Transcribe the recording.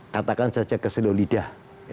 katakan saja keseluruh lidah